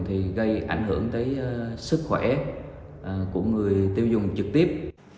thì gây ảnh hưởng tới sức khỏe của người tiêu dùng trực tiếp